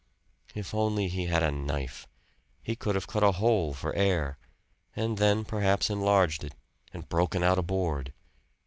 If only he had a knife. He could have cut a hole for air and then perhaps enlarged it and broken out a board.